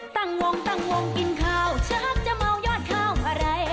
ต่างควงต่างควงกินข้าวชากจะเม้ายอดเท่าไหร่